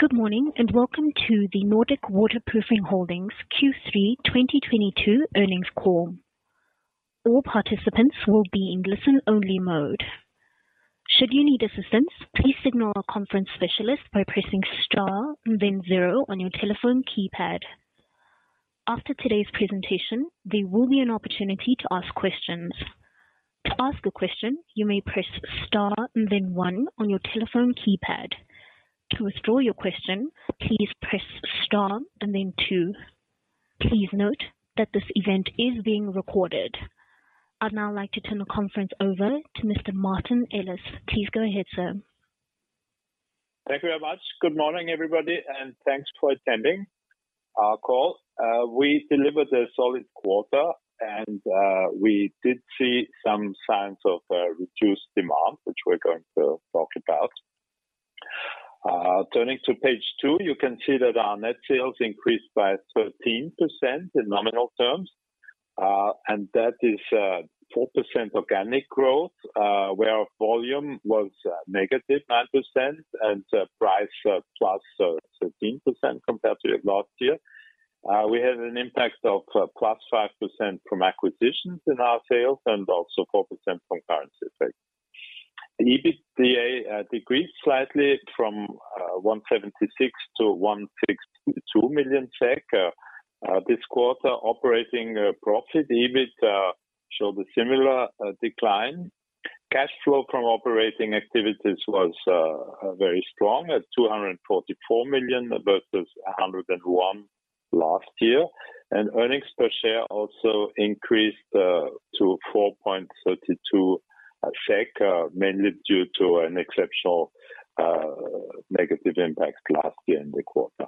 Good morning, and Welcome to the Nordic Waterproofing Holding AB Q3 2022 Earnings Call. I'd now like to turn the conference over to Mr. Martin Ellis. Please go ahead, sir. Thank you very much. Good morning, everybody, and thanks for attending our call. We delivered a solid quarter and we did see some signs of reduced demand, which we're going to talk about. Turning to page two, you can see that our net sales increased by 13% in nominal terms, and that is 4% organic growth, where our volume was -9% and price +13% compared to last year. We had an impact of +5% from acquisitions in our sales and also 4% from currency effect. The EBITDA decreased slightly from 176 million to 162 million SEK. This quarter operating profit, the EBIT, showed a similar decline. Cash flow from operating activities was very strong at 244 million versus 101 million last year. Earnings per share also increased to 4.32 SEK, mainly due to an exceptional negative impact last year in the quarter.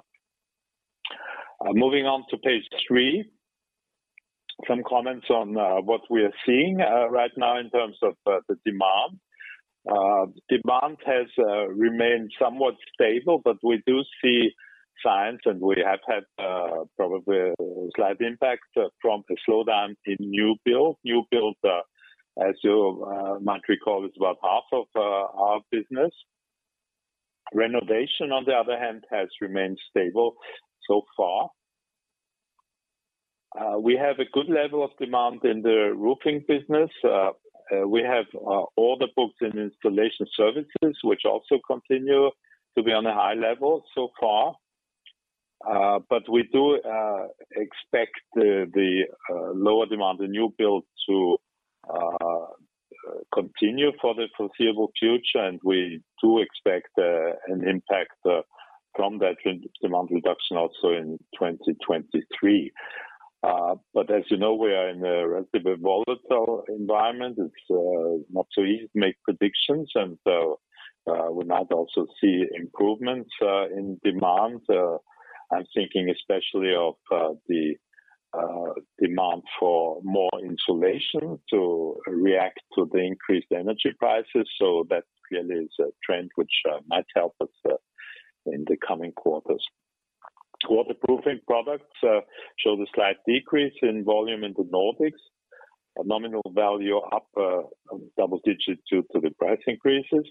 Moving on to page three. Some comments on what we are seeing right now in terms of the demand. Demand has remained somewhat stable, but we do see signs, and we have had probably a slight impact from a slowdown in new build. New build, as you might recall, is about half of our business. Renovation, on the other hand, has remained stable so far. We have a good level of demand in the roofing business. We have order books in Installation Services, which also continue to be on a high level so far. We do expect the lower demand in new build to continue for the foreseeable future, and we do expect an impact from that demand reduction also in 2023. As you know, we are in a relatively volatile environment. It's not so easy to make predictions and so we might also see improvements in demand. I'm thinking especially of the demand for more insulation to react to the increased energy prices. That really is a trend which might help us in the coming quarters. Waterproofing products show a slight decrease in volume in the Nordics. Nominal value up double-digit due to the price increases.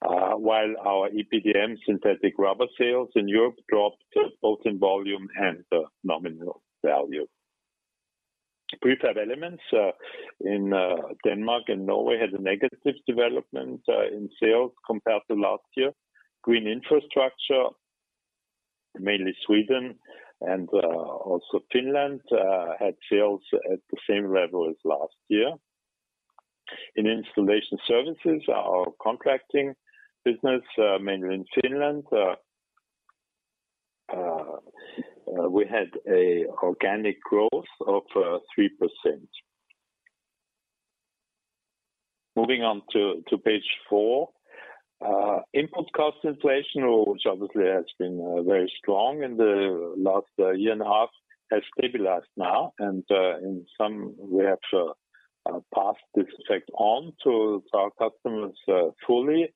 While our EPDM synthetic rubber sales in Europe dropped both in volume and nominal value. Prefab elements in Denmark and Norway had a negative development in sales compared to last year. Green infrastructure, mainly Sweden and also Finland, had sales at the same level as last year. In Installation Services, our contracting business, mainly in Finland, we had an organic growth of 3%. Moving on to page four. Input cost inflation, which obviously has been very strong in the last year and a half, has stabilized now. In some we have passed this effect on to our customers fully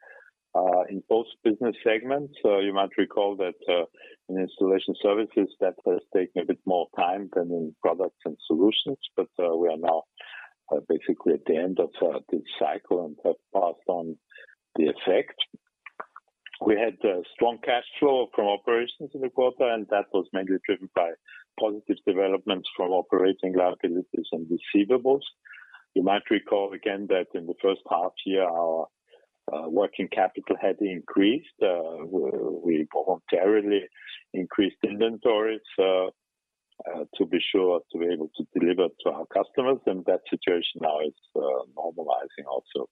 in both business segments. You might recall that in Installation Services, that has taken a bit more time than in Products & Solutions, but we are now basically at the end of this cycle and have passed on the effect. We had strong cash flow from operations in the quarter, and that was mainly driven by positive developments from operating liabilities and receivables. You might recall again that in the first half year, our working capital had increased. We voluntarily increased inventory, so to be sure to be able to deliver to our customers, and that situation now is normalizing also.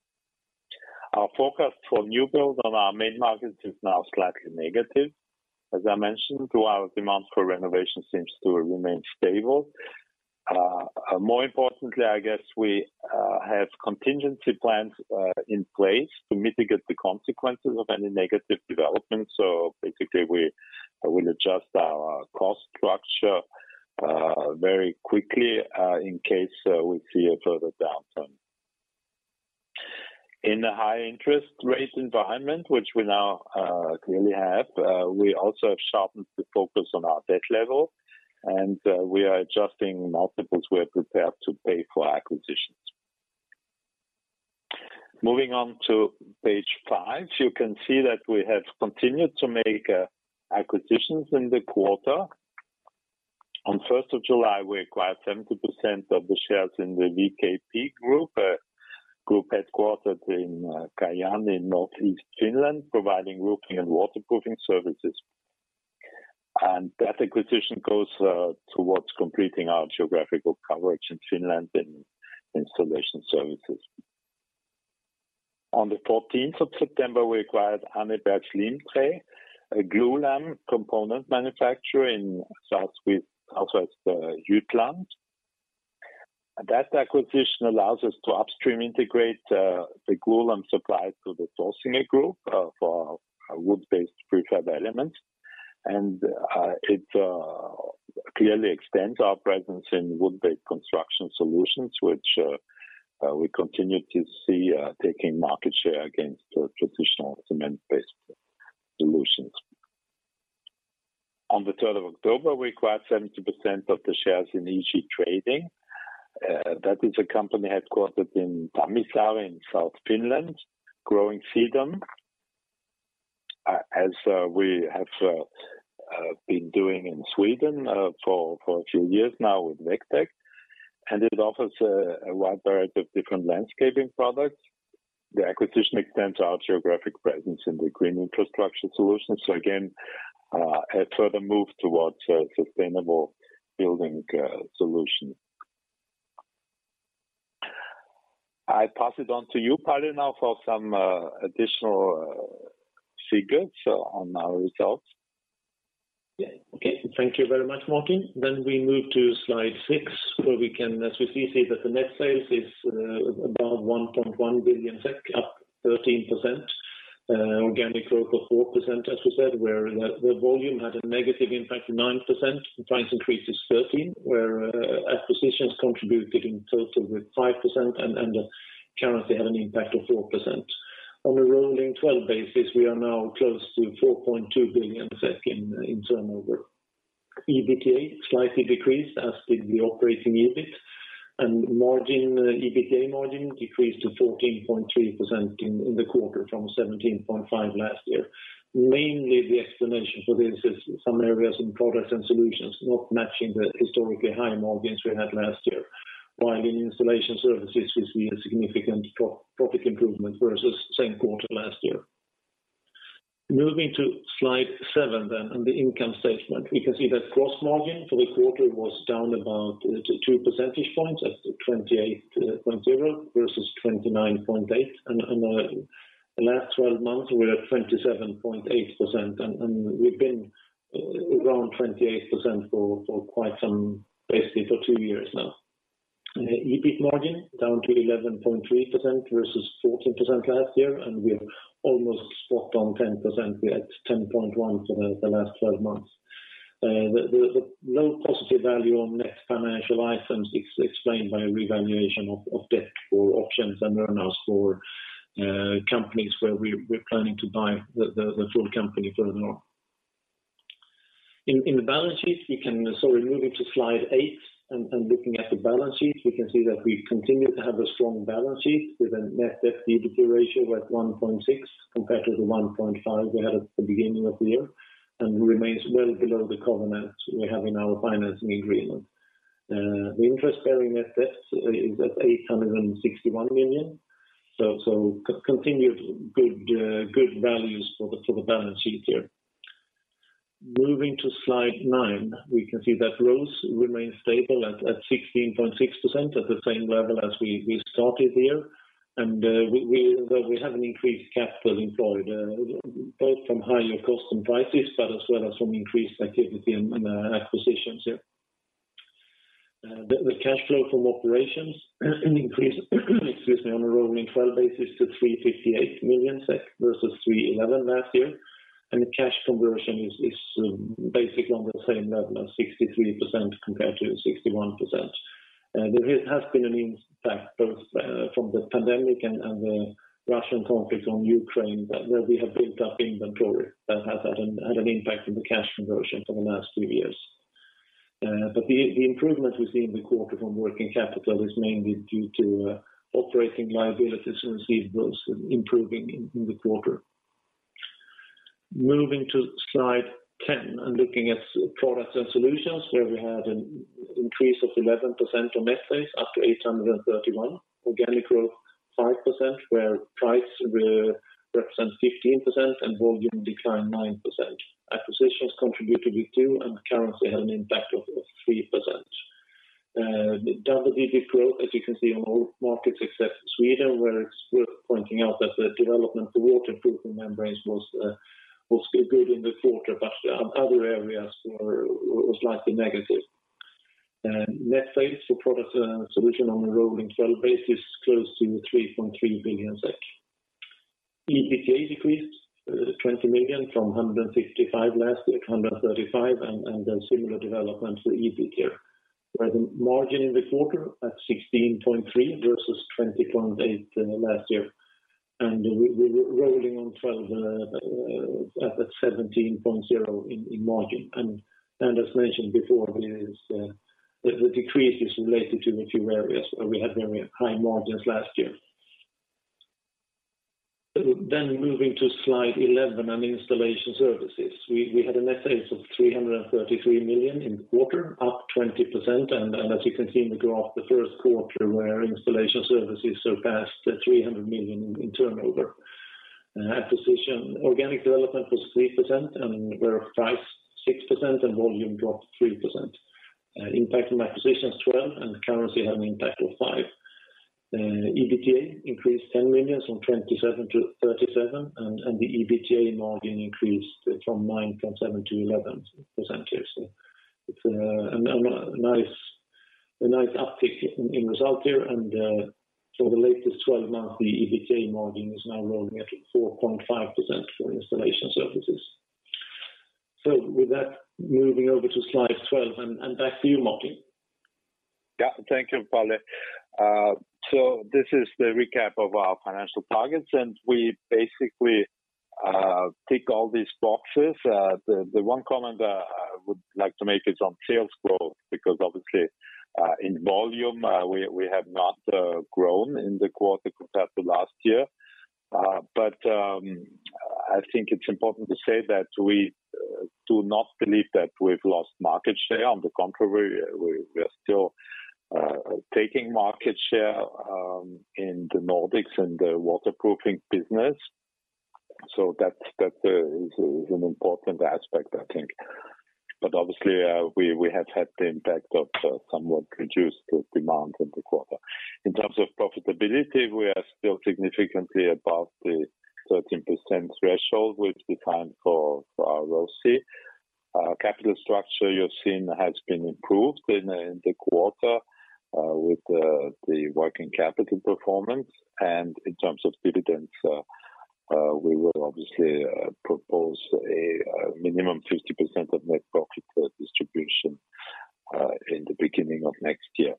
Our forecast for new build on our main markets is now slightly negative. As I mentioned too, our demand for renovation seems to remain stable. More importantly, I guess we have contingency plans in place to mitigate the consequences of any negative development. Basically we'll adjust our cost structure very quickly in case we see a further downturn. In a high interest rate environment, which we now clearly have, we also have sharpened the focus on our debt level, and we are adjusting multiples we are prepared to pay for acquisitions. Moving on to page five, you can see that we have continued to make acquisitions in the quarter. On 1st of July, we acquired 70% of the shares in the VKP Group, a group headquartered in Kajaani in Northeast Finland, providing roofing and waterproofing services. That acquisition goes towards completing our geographical coverage in Finland in Installation Services. On the 14th of September, we acquired Amberg Limtræ, a glulam component manufacturer in southwest Jutland. That acquisition allows us to upstream integrate the glulam supply to the sourcing group for wood-based prefab elements. It clearly extends our presence in wood-based construction solutions, which we continue to see taking market share against traditional cement-based solutions. On the 3rd of October, we acquired 70% of the shares in EG-Trading Oy. That is a company headquartered in Tammisaari in southern Finland, growing sedum, as we have been doing in Sweden for a few years now with Vegtech. It offers a wide variety of different landscaping products. The acquisition extends our geographic presence in the green infrastructure solution. Again, a further move towards sustainable building solution. I pass it on to you, Palle, now for some additional figures on our results. Yeah. Okay. Thank you very much, Martin. We move to slide six, where we can as we see that the net sales is above 1.1 billion SEK, up 13%, organic growth of 4%, as we said, where the volume had a negative impact of 9%, price increase is 13%, where acquisitions contributed in total with 5% and the currency had an impact of 4%. On a rolling twelve basis, we are now close to 4.2 billion SEK in turnover. EBITDA slightly decreased, as did the operating EBIT, and margin, EBITDA margin decreased to 14.3% in the quarter from 17.5% last year. Mainly the explanation for this is some areas in Products and Solutions not matching the historically high margins we had last year, while in Installation Services, we see a significant profit improvement versus same quarter last year. Moving to slide seven, on the income statement. We can see that gross margin for the quarter was down about two percentage points at 28.0 versus 29.8. The last twelve months, we're at 27.8%, and we've been around 28% for quite some time. Basically for two years now. EBIT margin down to 11.3% versus 14% last year, and we're almost spot on 10%. We're at 10.1 for the last 12 months. The low positive value on net financial items is explained by revaluation of debt for options and earnouts for companies where we're planning to buy the full company further on. Moving to slide eight and looking at the balance sheet, we can see that we continue to have a strong balance sheet with a net debt-to-EBITDA ratio at 1.6 compared to the 1.5 we had at the beginning of the year, and remains well below the covenants we have in our financing agreement. The interest-bearing net debt is at 861 million. Continued good values for the balance sheet here. Moving to slide nine, we can see that ROCE remains stable at 16.6%, at the same level as we started the year. We have an increased capital employed both from higher cost and prices, but as well as from increased activity and acquisitions here. The cash flow from operations increase, excuse me, on a rolling 12 basis to 358 million SEK versus 311 million last year. The cash conversion is basically on the same level as 63% compared to 61%. There has been an impact both from the pandemic and the Russian conflict in Ukraine that where we have built up inventory that has had an impact on the cash conversion for the last two years. The improvement we see in the quarter from working capital is mainly due to operating liabilities and receivables improving in the quarter. Moving to slide 10 and looking at Products and Solutions, where we had an increase of 11% on net sales up to 831, organic growth 5%, where price represent 15% and volume declined 9%. Acquisitions contributed with 2%, and currency had an impact of 3%. The LFL growth, as you can see, on all markets except Sweden, where it's worth pointing out that the development for waterproofing membranes was good in the quarter, but other areas were slightly negative. Net sales for Products and Solutions on a rolling twelve basis, close to 3.3 billion SEK. EBITDA decreased 20 million from 155 million last year, 135 million, and then similar development for EBIT here. Whereas margin in the quarter at 16.3% versus 20.8% last year. We're rolling 12 at 17.0% margin. As mentioned before, the decrease is related to a few areas where we had very high margins last year. Moving to slide 11 on Installation Services. We had a net sales of 333 million in quarter, up 20%. As you can see in the graph, the Q1 where Installation Services surpassed 300 million in turnover. Organic development was 3% and with price 6% and volume dropped 3%. Impact from acquisitions 12 and currency had an impact of five. EBITA increased 10 million from 27 million to 37 million, and the EBITA margin increased from 9.7%-11%. It's a nice uptick in result here. For the latest 12 months, the EBITA margin is now running at 4.5% for Installation Services. With that, moving over to slide 12. Back to you, Martin. Yeah. Thank you, Palle. This is the recap of our financial targets, and we basically tick all these boxes. The one comment I would like to make is on sales growth, because obviously, in volume, we have not grown in the quarter compared to last year. I think it's important to say that we do not believe that we've lost market share. On the contrary, we are still taking market share in the Nordics and the waterproofing business. That's an important aspect I think. Obviously, we have had the impact of somewhat reduced demand in the quarter. In terms of profitability, we are still significantly above the 13% threshold, which we find for our ROCE. Capital structure you have seen has been improved in the quarter with the working capital performance. In terms of dividends, we will obviously propose a minimum 50% of net profit for distribution in the beginning of next year.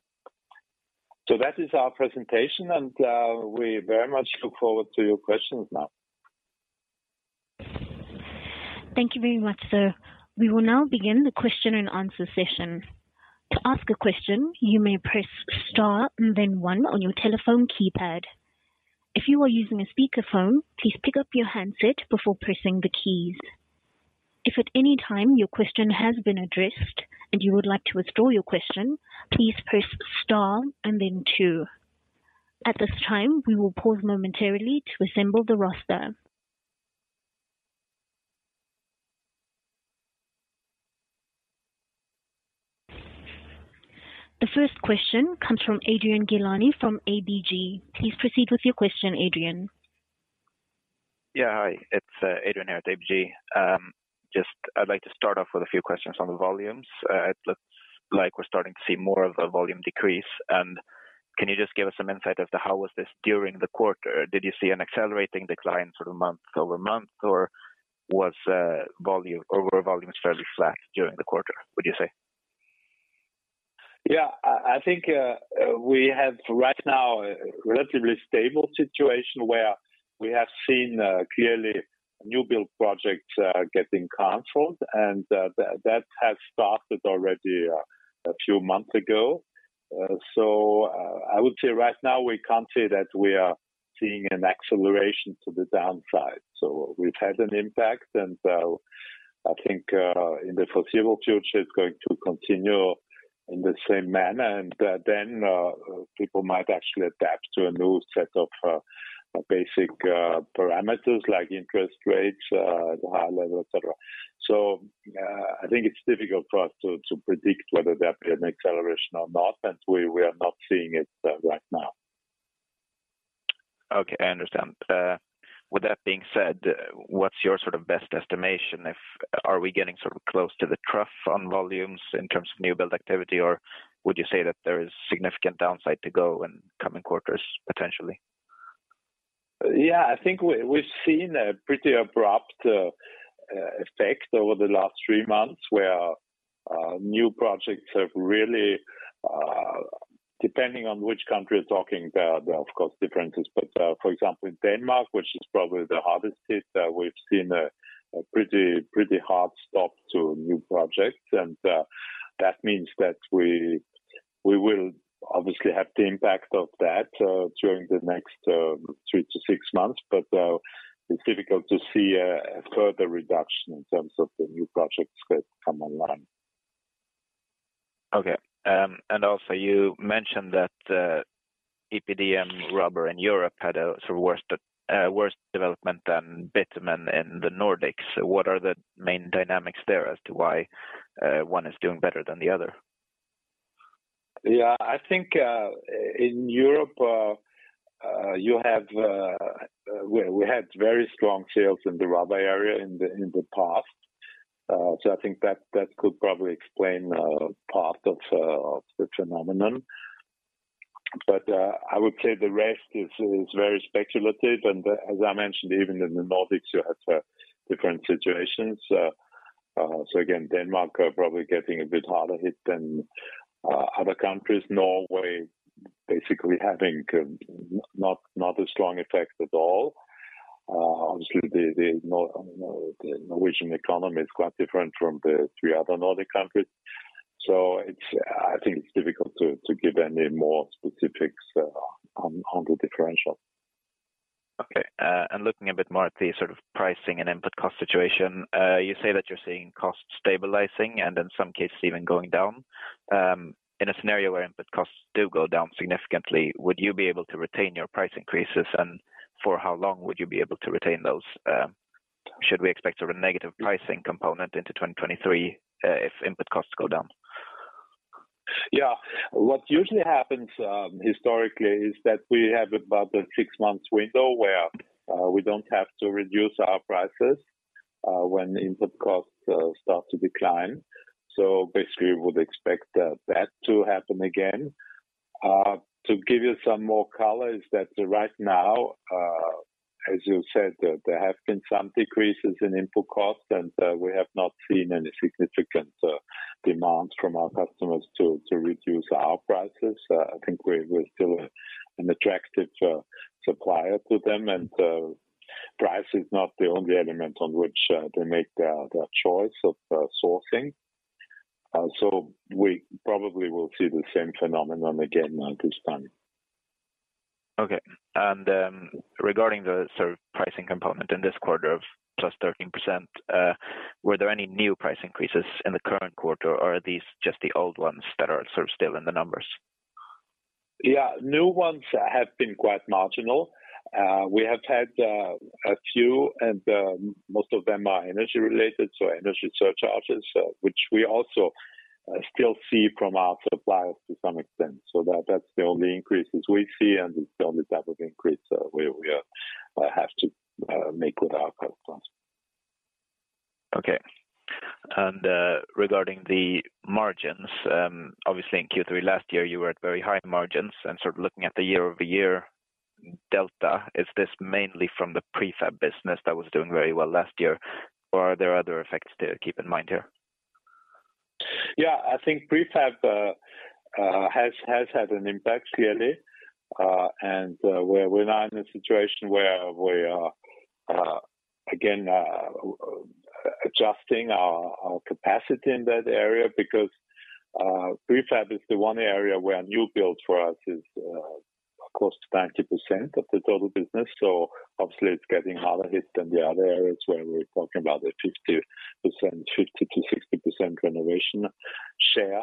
That is our presentation and we very much look forward to your questions now. Thank you very much, sir. The first question comes from Adrian Gilani from ABG. Please proceed with your question, Adrian. Yeah. Hi, it's Adrian here at ABG. Just, I'd like to start off with a few questions on the volumes. It looks like we're starting to see more of a volume decrease. Can you just give us some insight as to how was this during the quarter? Did you see an accelerating decline sort of month-over-month or was overall volume fairly flat during the quarter, would you say? Yeah. I think we have right now a relatively stable situation where we have seen clearly new build projects getting canceled, and that has started already a few months ago. I would say right now we can't say that we are seeing an acceleration to the downside. We've had an impact and I think in the foreseeable future it's going to continue in the same manner. People might actually adapt to a new set of basic parameters like interest rates, the high level, et cetera. I think it's difficult for us to predict whether there'll be an acceleration or not, and we are not seeing it right now. Okay, I understand. With that being said, what's your sort of best estimation? Are we getting sort of close to the trough on volumes in terms of new build activity? Or would you say that there is significant downside to go in coming quarters potentially? Yeah. I think we've seen a pretty abrupt effect over the last three months where new projects have really, depending on which country you're talking about, there are of course differences. For example, in Denmark, which is probably the hardest hit, we've seen a pretty hard stop to new projects. That means that we will obviously have the impact of that during the next three to six months. It's difficult to see a further reduction in terms of the new projects that come online. Okay. You mentioned that EPDM rubber in Europe had a sort of worse development than Bitumen in the Nordics. What are the main dynamics there as to why one is doing better than the other? Yeah. I think in Europe you have well we had very strong sales in the rubber area in the past. I think that could probably explain part of the phenomenon. I would say the rest is very speculative. As I mentioned, even in the Nordics you have different situations. Again, Denmark are probably getting a bit harder hit than other countries. Norway basically having not as strong effect at all. Obviously the Norwegian economy is quite different from the three other Nordic countries. It's difficult to give any more specifics on the differential. Okay. Looking a bit more at the sort of pricing and input cost situation, you say that you're seeing costs stabilizing and in some cases even going down. In a scenario where input costs do go down significantly, would you be able to retain your price increases, and for how long would you be able to retain those? Should we expect a negative pricing component into 2023, if input costs go down? Yeah. What usually happens historically is that we have about a six months window where we don't have to reduce our prices when input costs start to decline. Basically we would expect that to happen again. To give you some more color is that right now as you said there have been some decreases in input costs and we have not seen any significant demands from our customers to reduce our prices. I think we're still an attractive supplier to them and price is not the only element on which they make their choice of sourcing. We probably will see the same phenomenon again at this time. Okay. Regarding the sort of pricing component in this quarter of +13%, were there any new price increases in the current quarter, or are these just the old ones that are sort of still in the numbers? Yeah. New ones have been quite marginal. We have had a few and most of them are energy related, so energy surcharges, which we also still see from our suppliers to some extent. That's the only increases we see and the only type of increase we have to make with our customers. Okay. Regarding the margins, obviously in Q3 last year, you were at very high margins and sort of looking at the year-over-year delta, is this mainly from the prefab business that was doing very well last year, or are there other effects to keep in mind here? Yeah. I think prefab has had an impact clearly, and we're now in a situation where we are again adjusting our capacity in that area because prefab is the one area where new build for us is close to 90% of the total business. Obviously it's getting harder hit than the other areas where we're talking about a 50%, 50%-60% renovation share.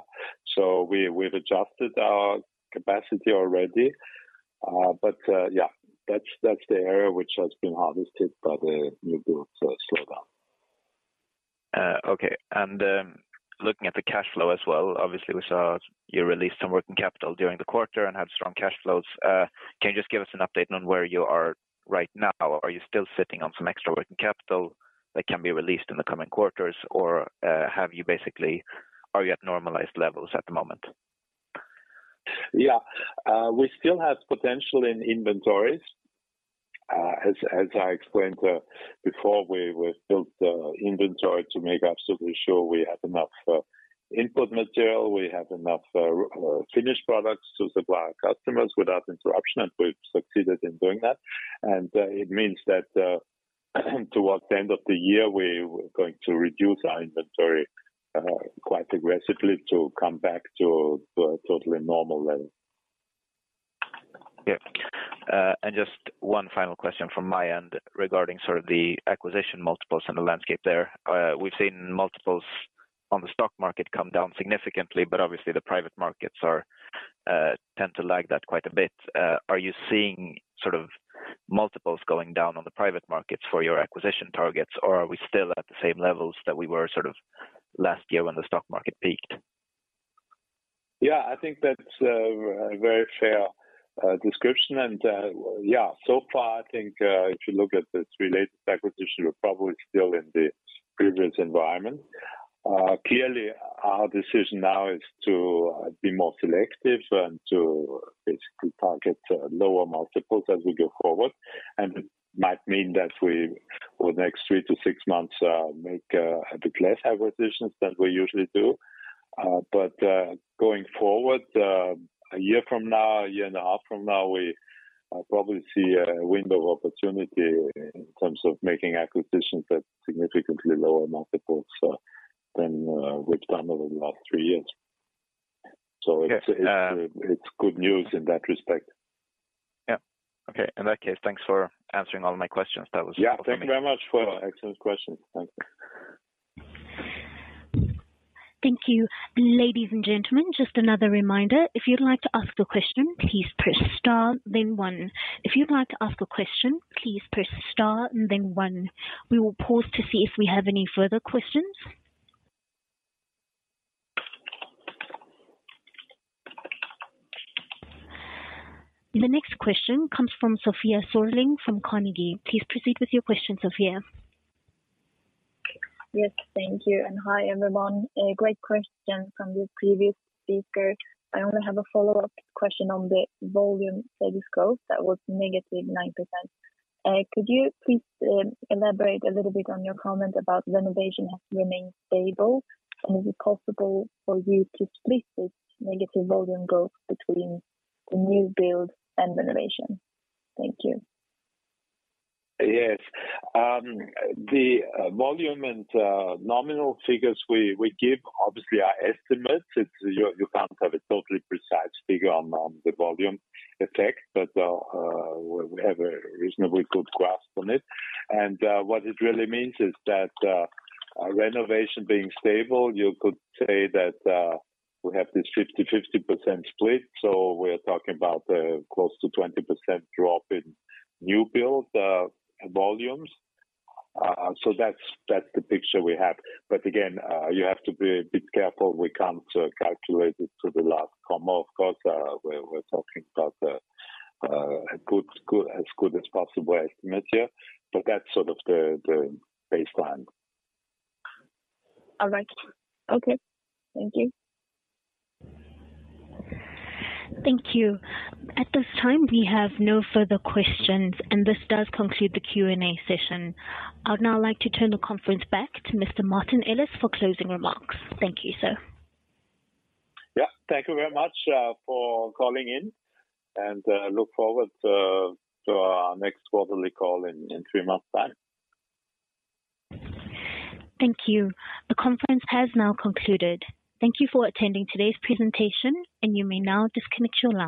We've adjusted our capacity already. But yeah, that's the area which has been hardest hit by the new build slowdown. Okay. Looking at the cash flow as well, obviously we saw you released some working capital during the quarter and had strong cash flows. Can you just give us an update on where you are right now? Are you still sitting on some extra working capital that can be released in the coming quarters, or are you at normalized levels at the moment? Yeah, we still have potential in inventories. As I explained before, we built the inventory to make absolutely sure we have enough input material, we have enough finished products to supply our customers without interruption, and we've succeeded in doing that. It means that towards the end of the year, we're going to reduce our inventory quite aggressively to come back to a totally normal level. Yeah. Just one final question from my end regarding sort of the acquisition multiples and the landscape there. We've seen multiples on the stock market come down significantly, but obviously the private markets tend to lag that quite a bit. Are you seeing sort of multiples going down on the private markets for your acquisition targets, or are we still at the same levels that we were sort of last year when the stock market peaked? Yeah. I think that's a very fair description. Yeah, so far, I think, if you look at the related acquisition, we're probably still in the previous environment. Clearly our decision now is to be more selective and to basically target lower multiples as we go forward. It might mean that we, over the next 3-6 months, make a bit less acquisitions than we usually do. Going forward, a year from now, a year and a half from now, we probably see a window of opportunity in terms of making acquisitions at significantly lower multiples than we've done over the last three years. It's Yeah. It's good news in that respect. Yeah. Okay. In that case, thanks for answering all my questions. That was. Yeah. Thank you very much for excellent questions. Thank you. Thank you. The next question comes from Sofia Sörling from Carnegie. Please proceed with your question, Sofia. Yes. Thank you, and hi, everyone. A great question from the previous speaker. I only have a follow-up question on the volume scope that was -9%. Could you please elaborate a little bit on your comment about renovation has remained stable? Is it possible for you to split this negative volume growth between the new build and renovation? Thank you. Yes. The volume and nominal figures we give obviously are estimates. You can't have a totally precise figure on the volume effect, but we have a reasonably good grasp on it. What it really means is that renovation being stable, you could say that we have this 50-50% split. We're talking about close to 20% drop in new build volumes. That's the picture we have. Again, you have to be a bit careful. We can't calculate it to the last comma. Of course, we're talking about a good as good as possible estimate here, but that's sort of the baseline. All right. Okay. Thank you. Thank you. At this time, we have no further questions, and this does conclude the Q&A session. I'd now like to turn the conference back to Mr. Martin Ellis for closing remarks. Thank you, sir. Yeah. Thank you very much for calling in, and look forward to our next quarterly call in three months' time. Thank you. The conference has now concluded. Thank you for attending today's presentation, and you may now disconnect your line.